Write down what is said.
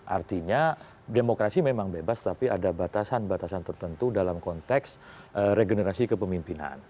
artinya demokrasi memang bebas tapi ada batasan batasan tertentu dalam konteks regenerasi kepemimpinan